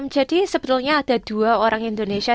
jadi sebetulnya ada dua orang indonesia